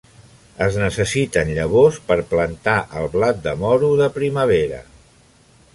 Es necessiten llavors per plantar el blat de moro de primavera.